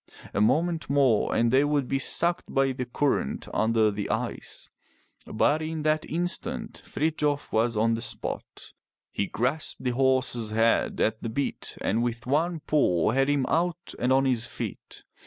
A moment more and they would be sucked by the current under the ice. But in that instant, Frithjof was on the spot. He grasped the horse's head at the bit, and with one pull had him out and on his feet.